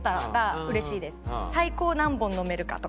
最高何本飲めるかとか。